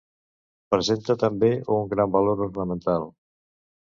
Presenta també un gran valor ornamental.